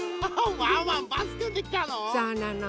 ワンワンバスくんできたの？